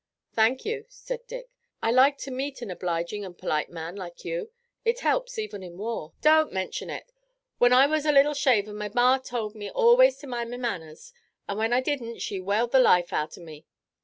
"Thank you," said Dick, "I like to meet an obliging and polite man like you. It helps even in war." "Don't mention it. When I wuz a little shaver my ma told me always to mind my manners, an' when I didn't she whaled the life out of me.